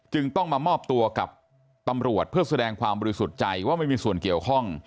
ต้องมามอบตัวกับตำรวจเพื่อแสดงความบริสุทธิ์ใจว่าไม่มีส่วนเกี่ยวข้อง